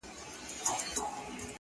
ستا د هجران په تبه پروت یم مړ به سمه؛